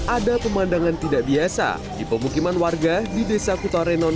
ada pemandangan tidak biasa di pemukiman warga di desa kutarenon